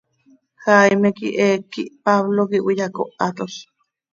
Jaime quih eec quih Pablo quih cöiyacóhatol.